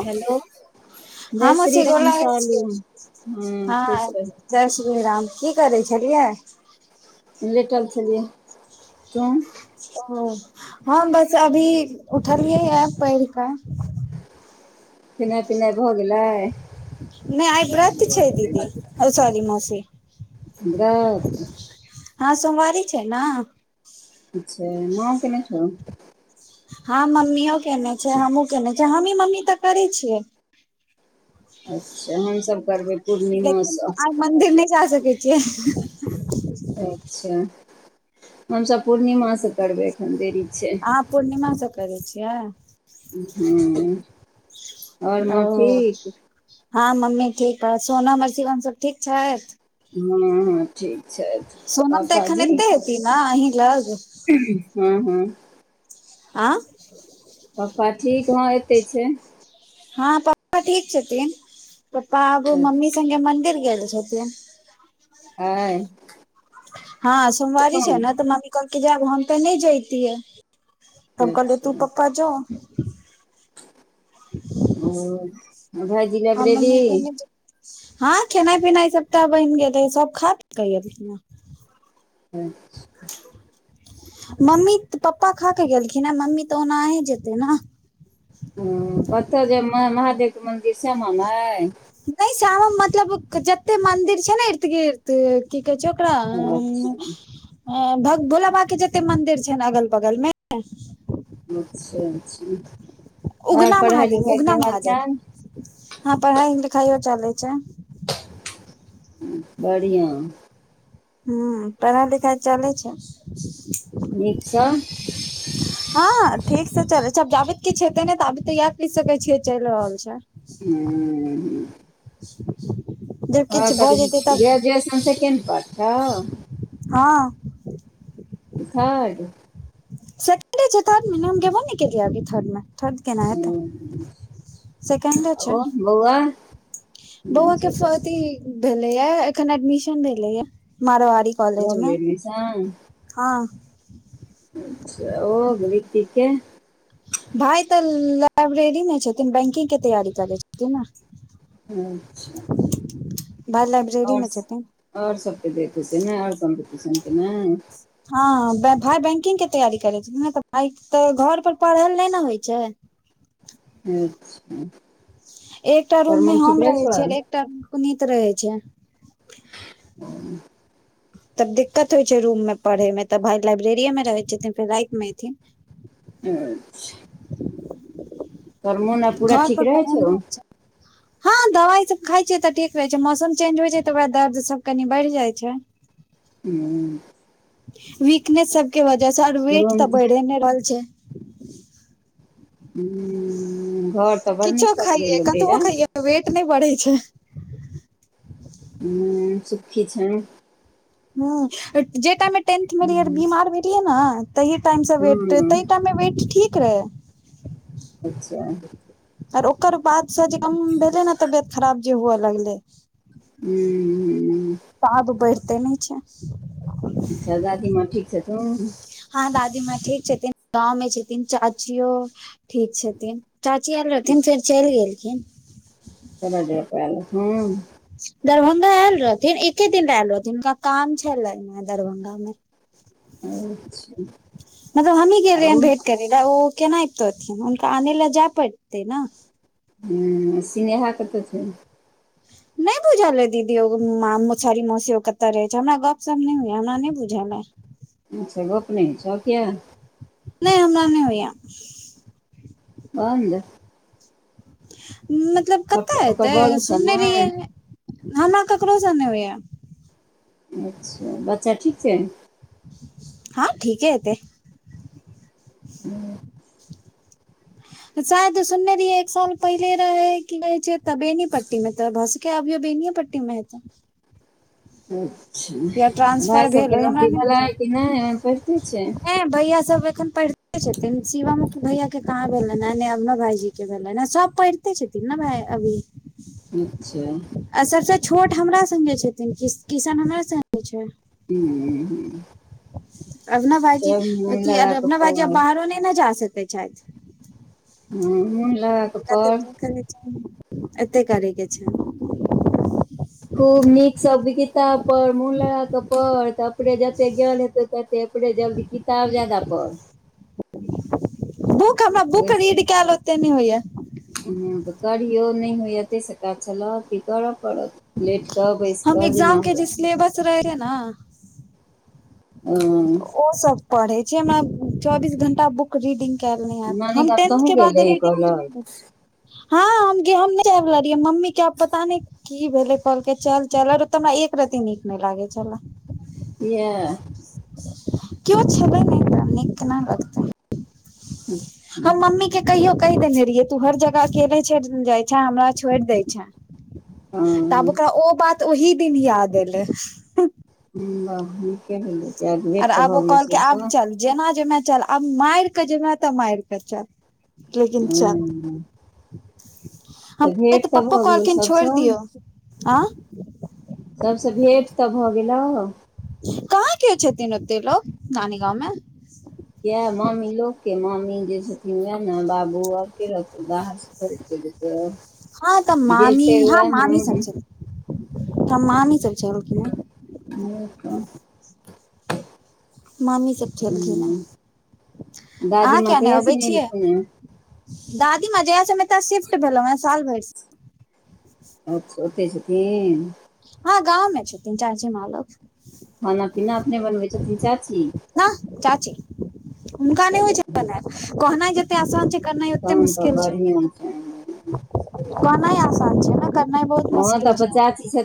Hello. हँ जय श्री मौसी गोर राम लागै छी सालू। हँ खुश रहु। जय श्री राम। की करै छलियैयै? लेटल छलियै। तूम? ओ। हम बस अभी उठलियैयै पैइढ़ कऽ। खेनाइ पिनाइ भऽ गेलै? नय आइ ब्रत छै दीदी। ओ सॉरी मौसी। व्रत? हँ सोमवारी छै न। अच्छा। मां केने छौ? हँ मम्मीयो केने छै। हमहुँ केने छि। हमही मम्मी तऽ करे छियै। अच्छा हमसभ करबै पूर्णिमासँ। मन्दिर नय जा सकै छियै? अच्छा। हमसब पूर्णिमा स करबे अख्खन देरी छै। आं पूर्णिमा सब करै छियै? उहूं। ओ हँ मम्मी ठीक ह। सोनम अर् शिवम सब ठीक छै? हँ-हं ठीक छैथ। सोनम तऽ एख्खन एत्ते हेती ने अहीं लग? हँ -हँ आँ- पप्पा ठीक? हं एत्तै छै। हँ पप्पा ठीक छथिन। पप्पा आब मम्मी सङ्गे अच्छा मंदिर गेल छथिन। आय? हँ सोमवारी छै ने तऽ मम्मी कहलकै जैब हम तऽ नय जैतियैऽ। हम कहलियै तू अच्छा पप्पा जो। [unintelligible] ओ - भेज हम मम्मी [unintelligible] हँ खेनाइ -पिनाइ सबटा बैन गेलय। सब खा-पीक एलखिना। [inaudible] मम्मी -पप्पा खाके गेलखिने। मम्मी तऽ ओनाहे जेतै नऽ? हं। कत्त जेमां महादेवके मन्दिर श्यामा माय? नय श्यामा मतलब क-जत्ते मंदिर छै ने इर्तगिर्त तऽ की कहै छै ओकरा अम्- अच्छा हं भक्भोला बाबाक के जत्ते मंदिर छैन अगल बगल मे अच्छा- अच्छा। और उगना पढ़ाइ- महादेव लिखाइ के उगना हाल महादेव चाल? हँ पढ़ाई -लिखाइयो चलय छै। बढ़िआं ह पढ़ाई लिखाइ चलै छै। नीक झें। हँ ठीक से चलै छै जाब त किछु हेते ने ताबित ते इयाह कह सकै छियै चइल रहल छै। उन [unintelligible] हँ त तऽ जेतै तब जै -जै सुनतो सै ने करतो। हँ थर्ड सेकंडे छै, हम गेबो ने केलीयै अभी थर्ड मे केना हेतै सेकेंडे ह छै ओ बौआ नाम बौआ के छै ओकर सती भेलए एखन एडमिशन भेले य मारवड़ी कॉलेज भऽ गेलै मे एडमिशन हँ अच्छा ओ रितिक के भाय तऽ लाइब्रेरी मे छथिन बैंकिंग के तैयारी करे छथिन नऽ अच्छा [unintelligible] आओरस छथिन आओर सबके देख हेतै ने आओर कम्पटिशन के ने, हँ भाय बैंकिंग के तैयारी करे छै, ने भाय तऽ घर पर पढ़ल नै न होइ छै। अच्छा एकटा रूम मे करमोन ठीक हम रहै रहे छौ छिये, एकटा रूम मे पुनीत रहै छै। [unintelligible] तब दिक्कत होइ छै रूम मे पढ़े मे तऽ, भााय लाइब्रेरि मे रहै छथिन, फेर राइत मे एयथिन। अच्छा तोहर मोन आब पूरा घर पर ठीक रहै पढ़ल छौ। नहि होइ छै हँ दवाइसभ खाइ छियै तऽ, ठीक रहैत छै, मौसम चेंज होइ छै तऽ, ओहे दर्दसभ कनि बढ़ि जाइत छै। हूँ वीकनेस सब के वजह स, और वेट रूम तऽ बढ़ै नहि रहल छै। हम्म घर तऽ बड़ नीक किछो खाइये पकड़ेलहु कतबो डेरा [unintelligible] खाइये वेट नई बढ़ै छै। हम्म सुखी छै। हम्म जे टाइमे टेंथ मे रहिऐ और बीमार भेलियै न तहि टाइम से वेट तह हूँ टाइम मे वेट ठीक रहे। अच्छा आर ओकर बाद सँ जे कम भेलै ने तबियत खराब जे हुए लगलै हम्म ता आब बइढ़ते नई छै। अच्छा दादी माॅं ठीक छथून? हँ दादी माँ ठीक छथिन, गाम में छथिन चाचियो ठीक छथिन। चाची आयल रहथिन, फेर चइल गेलखिन करज पल [unintelligible] दरभंगा आयल रहथिन एके दिन लय आयल रहथिन हुनका काम छलईन दरभंगा मे, अच्छा [inaudible] मगर हमहीं गेल आउ रहिएन भेंट करे लऽ। ओ केना अबतोथिन हुनका आनै लए जाय पड़तै न? हम्म सिनेहा कतऽ छै? नहि नहि बुझल है दीदी ओ म मूसरी मौसी कतऽ रहै छै हमरा गप सप नहि होय हमरा नहि बुझल अइ। अच्छा गप नहिइ होय छौ कियाऽ? नहि हमरा नहि होइया। बंद मतलब ओकर कतऽ ओकर एतै बड़ ओसभ सुनने रहियै नहि हमरा ककरो स नहि होयऽ। अच्छा बच्चा ठीक छै? हँ ठीके हेतै। शायद सुनने रहिये एक साल पहिले रहे कीे कहै छ तऽ बेनी पट्टी में तऽ भ क अभि अ बेनीयेपट्टी मे हतैऽ या अच्छा भाइ ट्रांसफर भेल सबके होय हमरा नौकरी भेलै कि नहि? अखन पढ़िते छै? ह भैया सब एखन पढ़ते। छथिन शिवमो भैया के कहाँ भेलनि हैं ने अरनव भाईजी के भेलनि हेँ सभ पइढ़ पैढ़ते छथिन ने भाय अभी। नीक छै। आ सबसे छोट हमरा संगे छथिन किस किशन हमरा संगे छै। [unintelligible] अरनव भाईजी सब मोन अथी लगा कऽ अरनव भाईजी आब पढ़ बाहरो नहि ने जा सकैत छथि [unintelligible] हिनका त जे केनाय छैन एते करैके छैन। खूब नीक स बगीता पढ़ मुन लगा के पढ़ त अपने जते ज्ञान हेतौ। ततेे अपने जल्दी किताब जादा पढ़ बुक हमरा बुक ओहिस रीड कैल ओते नहि होइया। तऽ करियौ नहि होइए तहिसँ काज चलत की करब पड़त लेट कऽ बैस कऽ जेना हुए। रह रह न [unintelligible] हँ ओ सब पढ़े छै हमरा चौबीस घंटा ब रिडिंग कैल नय ऐत नानी हम गाम टेन्थ तहूँ के गेल बाद रही रिडिंग कहलक झोइड [unintelligible] हम जे हम नय सैह लागइ यऽ मम्मी के आब पता नहि। की भेलै कहलकै चल -चल और ओतऽ हमरा एक रती नीक नहि लागै छलय। कियाऽ? किओ छलै नहि त नीक केना लगितय। हू [inaudible] हम मम्मी के कहियो कहि देने रहिये तू हर जगह अकेले छ जाइ छे हमरा छोड़ि देय छे। तऽ आब हँ ओकरा ओ बात ओहिी दिन याद एलै। ब ठीके होै पाज आर भेट तऽ आब भऽ ओ गेलै कहलकै आब सबसँ। चल जेना जेमे चल आब मार के जेमे तऽ मार के चल लेकिन हू चल हम तऽ पप्पो भऽ गेलौ कहलखिन छोड़ि सबसँ दियौ आँ सभसँ भेँट तऽ भऽ गेलहु। कहाँ किओ छथिन ओते लोकोग नानी गांवमे। यह मामी लोक के मामी जे छथिन वएह ने बाबू आर के रहतै। [unintelligible] हँ तऽ जे मामी छै हँ वएह ने मामी सब छै त मामी सब छैलखिन। [inaudible] मामी सब छलखिन हे, हूँ दादी अहाँ माँ किया ने कहिया सँ अबै नहि छियै। एलखुन हेँ दादी मां जहिया से ह एतऽ शिफ्ट भेलौ हे, साल भैर से। अच्छा ओते छथिन। हँ गाँवमें छथिन चाचीमाॅं लग। खाना- पीना अपने बनबै छथिन चाची। नह चाची, हुनका नै होइ चलू छैन बनैल, कहनै ज तै आसान छै, करनाय ओतै तहन तऽ मुश्किल छै। बढ़िआँ छै कहनाय आसान छै ने, करनाइ बहुत मुश्किल छै।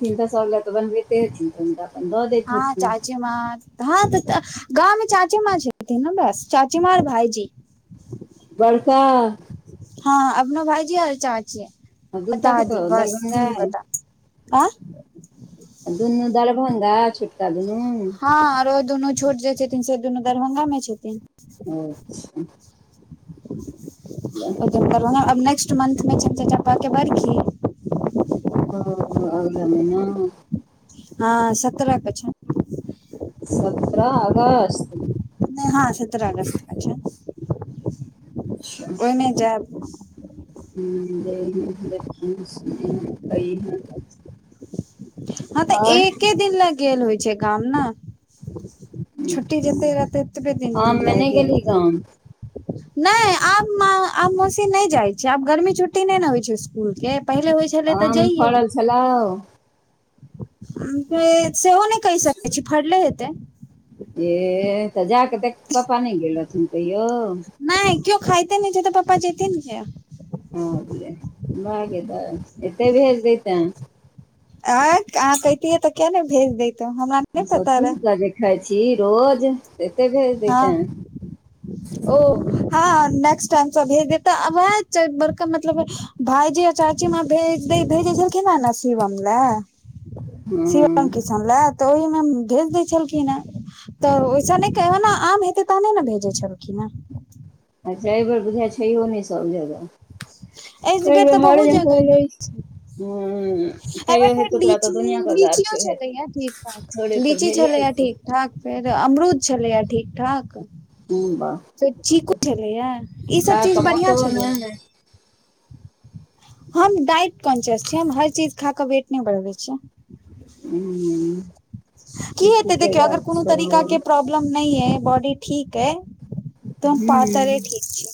हिनक सब लऽ तऽ बनबैतै हेथिन, तहैन तऽ। अपन दऽ दैत हँ हेथिन चाचीमाॅं। हँ तऽ गाँव में चाची माँ छथिन ने बस, चाचीमाॅं और भाईजी। बड़का। हँ अपना भाईजी और चाची। आ दूटा कतऽ दादी बस दरभंगा तीन गोटा। दुनू दरभंगा छुटका दुनू? हँ आरो दुनू छोट जे छथिन, से दुनू दरभंगा मे छथिन। अच्छा! नेक्सट मंथ में छैन चाचा के बर्षी। ओ अगला महिना। हँ सत्रह के छैन। सत्रह अगस्त। नै हँ सत्रह अगस्त के छैन, अच्छा ओएमे जायब। [unintelligible] हँ तऽ आओर एके दिन लऽ गेल होइ छै गाम ने। छुटी जेत रहते ओतबे दिन आममे लाय नहि जेबै गेलही ने। गाम नै आब आब माॅं, मौसी नै जाइ छैयै। आब गर्मी छुट्टी नै ने होइ छै इसकुल के पहिले होइ छै आम फड़ल छलौ? सेहो नै कहि सकै छी, फड़ले हेतै। ए तऽ जााकऽ देख, पप्पा नै गेल लथुन कहियौ? नै केओ खाइते नहि छै तऽ पप्पा जेथिन किया। भऽ गेलै बाह गै दाय, एते भेज दैतैं‌। एह आहां कहतियै तऽ किया नै भेज देैतौं, हमरा नै सब पता चीज के रहे। जे खाइ छी रोज एते भेज हँ दैतैं। ओ हँ नेक्सट टाईम से भेज देब, तऽ वैह छैह बरका मतलब भाईजी और चाचीमाॅं भेजे द भेजै छलखिन हैं ने शिवम लऽ। हँ शिवम, किशन लैऽ। तऽ ओहिमे भेज दै छलखिन हेँ, तऽ ओएसे निक तऽ ओना आम हेतै तहने ने भेजै छलखिन हे। अच्छा एहिबेर बुझाइया छैहियो नै सब जगह। हे एहि बेर तऽ बहुत जगह [inaudible] हुं एहिबेर तैयो हे फेर तोरा तऽ लीची दुनिआ के गाछ लीचियो छै, छलैया थोड़े तऽ भेले हेतौ। हं फेर अमरुद छलैया ठीक-ठाक। हूँ वाह फेर चीकू छलैए हैं, इ सब खा चीज कऽ बढ़ियां मोटो छलै। नहि हम डाइट कॉन्सस छी, हम हर चीज खाके वेट नै बढ़बै छी। हूँ की चीकू हेतै के देखियौ अगर गाछ कोनो छौ तरीका के हूँ प्रॉब् लम नहि अय, बॉडी ठीक अय, त हम पातारे हँ ठीक छी,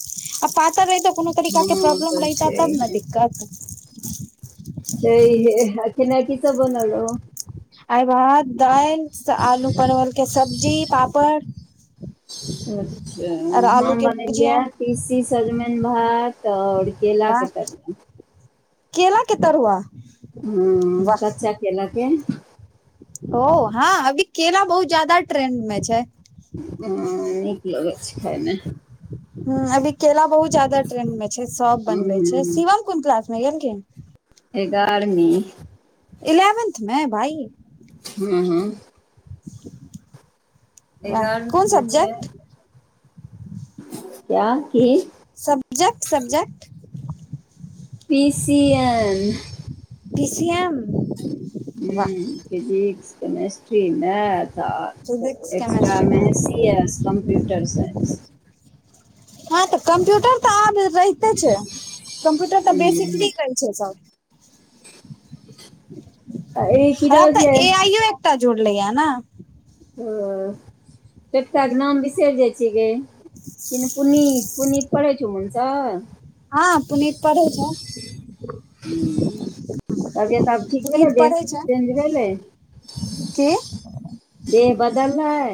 आ पातर रहितौ कोनो तरीका के प्रॉब्लम तऽ रहिते तब न छैहे दिक्कत। छैहे आ खेनाइ की सब बनल रहौ। आइ भात, दालि, स आलू परवल के सब्जी, पापड़। अच्छा, आर आलू हम के भुजिया बनेलिय‌ए तीसी सजमनि, भात आओर केला के वाह तरुआ केला के तरूआस हम्म कच्चा केलाके ओ हां अभी केेला बहुत ज्यादा ट्रेंड मे छै। हम्म नीक लगै छै खाइमे। हम्म अभी केला बहुत जादा ट्रेंड में छै, सब बनबै छै। हूँ शिवम कोन क्लासमे गेलखिन? एगारमी। इलेवेन्थमे भाइ। हँ-हँ वाह एगारह कोन त छै। सब्जेक्ट क्या की subject subject P C N P C M वाह हम्म फिजिक्स, केमेस् ट्री, मैथ आ फिजिक्स एक्स्ट्रा केमेस्ट्री मे math C S computer science. हँ त कंप्यूटर त आब रहिते छै, कम्प्यूटर तं बेसिकली रहै छै सब। आ ई की आब रहै त छै ए आइयो एकटा जुड़लै या न। हंऽ एकटाके नाम बिसरि जाइ छियइ गय। ‌कि न पुनीत-पुनीत पढ़ै छौ मुन सऽ। हँ पुनीत पढ़ै छै। तबियत आब ठीक भेलै पुनीत देह पढ़ै छै। चेंज भेलै कि देह बदललै।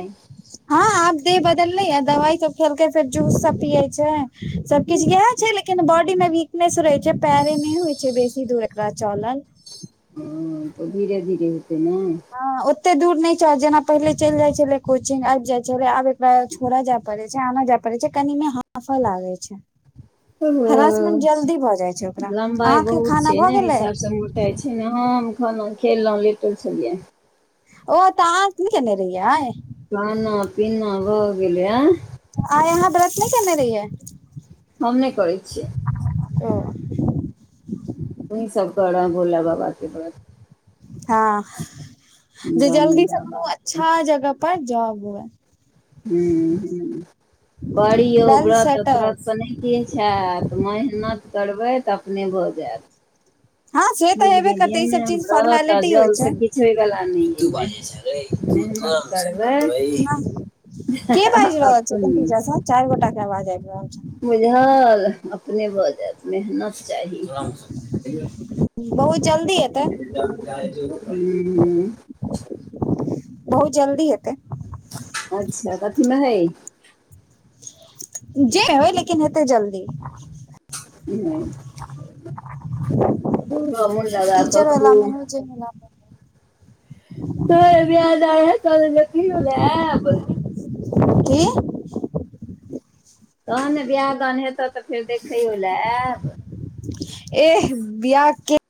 हँ आब देह बदललै यैं, दवाई सब खेलकै फेर जूस सब पिये छै, सब किछ इएह अच्छा छै ले किन बॉडी मे वीकनेस रहै छै, पैरे नै होइ छै बेसी दूर एकरा चलल। ओ धीरे धीरे हेतै ने। हं ओते दूर नहि च जेना पहिले चलि जाइ छलै कोचिंग, आबि जाइ छलै, आब एकरा छोड़ऽ जाए पड़ै छै आनऽ जाए पड़ै छै, कनीने हांफ लागै छै। ह्रासमेंट जल्दी भ जाइ छै ओकरा, अहाँके खाना भ गेलै। जाए छी ने, हम खाना खेलहुँ लेटल छलियैए। ओ त अहाँ की खेने रहिअइ आइ। खाना पीना भ गेलै ऐं आइ अहाँ व्रत नहि केने रहिअइ। हम नहि करै छियै। ओ तुहीं सब करऽ भोला बाबाके ब्रत। हँ जे दानी जल्दी स कोनो बाबाके अच्छा जगह पर जॉब हुए। हम्म-हम्म पढ़ियौ वेल ब्रत आ सेटल त्रत स नहि किछ हैत, मेहनत करबै त अपने भ जायत। हँ से बुइझ तऽ हेबे गेलियै करतै ई ने सब हम चीज व्रत आ फॉर्मेलिटी होइ जल छै स किछ [unintelligible] हय बला नय अय। पढबें अपने चाइर गोटाके आवाज आइब रहल छै। बुझल अपने भऽजैत मेहनत चाहि- छै बहुत जल्दी एतै [unintelligible] [unintelligible] बहुत जल्दी हेतै। अच्छा। कथीमे हइ? जे होय लेकिन हेतै जल्दी। मोन [unintelligible] लगा कऽ टीचर वाला मे खूब होय जे बला मे [unintelligible] [unintelligible] की? तहन ने बियाह दान हेतऽतऽ फेर देखैयोलै ऐब। एह बिआ के